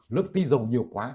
lượng tinh dầu nhiều quá